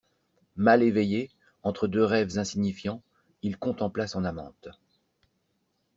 Mal éveillé, entre deux rêves insignifiants, il contempla son amante.